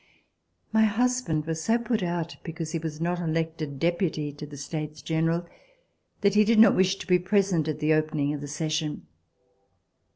My husband was so put out because he had not been elected Deputy to the States General that he did not wish to be present at the opening of the session.